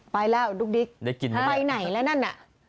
ไปแล้วดุ๊กดิ๊กได้กินไปไหนแล้วนั่นน่ะ